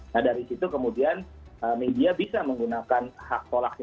nah dari situ kemudian media bisa menggunakan hak tolaknya